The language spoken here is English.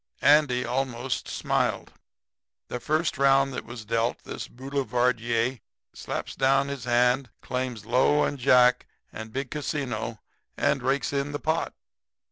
Andy almost smiled. "The first round that was dealt, this boulevardier slaps down his hand, claims low and jack and big casino and rakes in the pot.